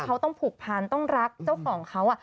เขาต้องผูกพันต้องรักเจ้าของเขา